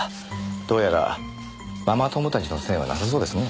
どうやらママ友たちの線はなさそうですね。